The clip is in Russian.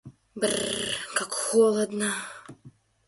Бр-р, как холодно!